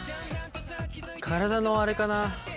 体のあれかな。